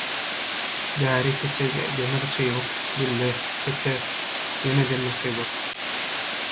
Däri, keçe, demir çybyk, gülle, keçe, ýene demir çybyk...